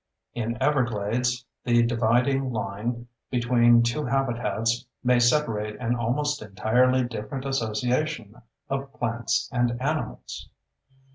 In Everglades, the dividing line between two habitats may separate an almost entirely different association of plants and animals.